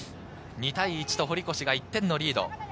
２対１、堀越が１点リード。